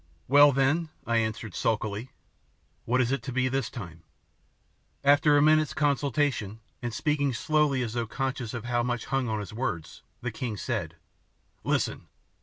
"Well, then," I answered sulkily, "what is it to be this time?" After a minute's consultation, and speaking slowly as though conscious of how much hung on his words, the king said, "Listen!